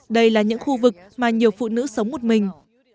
đây là những khu vực mà nhiều phụ nữ sống một mình